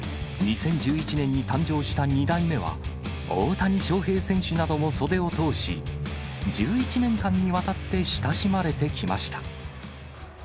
２０１１年に誕生した２代目は、大谷翔平選手なども袖を通し、１１年間にわたって親しまれてきました。